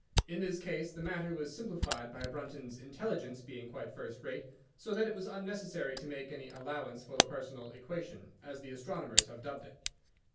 In this case the matter was simplified by Brunton's intelligence being quite first rate, so that it was unnecessary to make any allowance for the personal equation, as the astronomers have dubbed it.